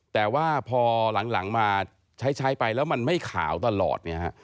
แต่ว่าพอหลังมาใช้ไปแล้วมันไม่ขาวตลอดเนี่ยฮะ